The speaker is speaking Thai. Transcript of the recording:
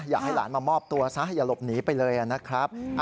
อยากให้หลานมามอบตัวซะอย่าหลบหนีไปเลยนะครับ